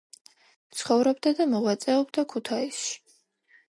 ცხოვრობდა და მოღვაწეობდა ქუთაისში.